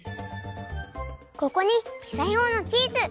ここにピザ用のチーズ。